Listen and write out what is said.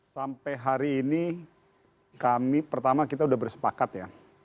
sampai hari ini kami pertama kita sudah bersepakat ya